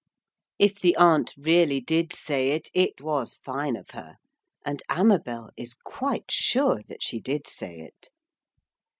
If the aunt really did say it, it was fine of her. And Amabel is quite sure that she did say it.